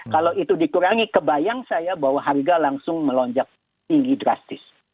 kalau itu dikurangi kebayang saya bahwa harga langsung melonjak tinggi drastis